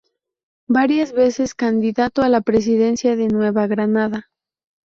Varias veces candidato a la Presidencia de Nueva Granada.